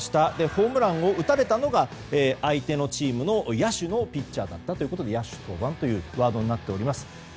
ホームランを打たれたのが相手チームの野手のピッチャーだったとういことで野手登板というワードになっております。